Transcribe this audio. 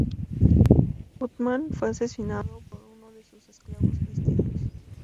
Uthman fue asesinado por uno de sus esclavos cristianos.